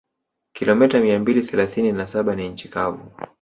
Kilomita mia mbili thelathini na saba ni nchi kavu